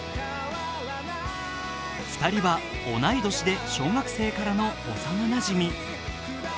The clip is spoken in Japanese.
２人は、同い年で小学生からの幼なじみ。